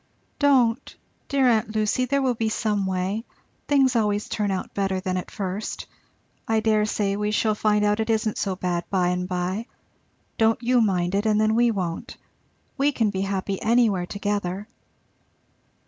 "Don't, dear aunt Lucy! there will be some way things always turn out better than at first I dare say we shall find out it isn't so bad by and by. Don't you mind it, and then we won't. We can be happy anywhere together."